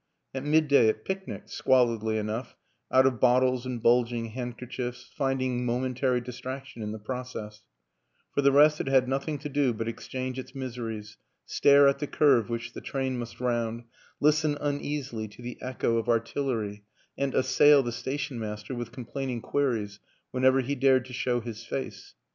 At midday it pic nicked, squalidly enough, out of bottles and bulg ing handkerchiefs, finding momentary distraction in the process; for the rest it had nothing to do but exchange its miseries, stare at the curve which the train must round, listen uneasily to the echo of artillery and assail the station master with com plaining queries whenever he dared to show his face.